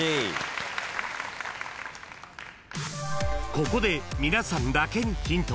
［ここで皆さんだけにヒント］